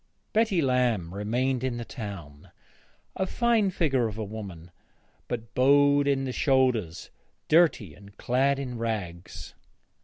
Betty Lamb remained in the town, a fine figure of a woman, but bowed in the shoulders, dirty, and clad in rags.